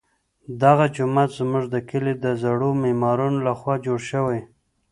دغه جومات زموږ د کلي د زړو معمارانو لخوا جوړ شوی.